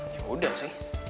ya udah sih